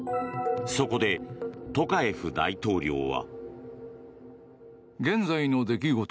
そこでトカエフ大統領は。